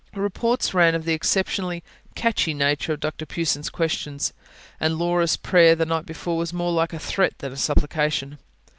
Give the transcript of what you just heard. Reports ran of the exceptionally "catchy" nature of Dr Pughson's questions; and Laura's prayer, the night before, was more like a threat than a supplication.